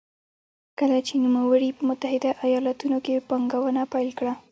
کله چې نوموړي په متحده ایالتونو کې پانګونه پیل کړه.